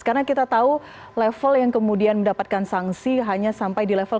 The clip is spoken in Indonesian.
karena kita tahu level yang kemudian mendapatkan sanksi hanya sampai di level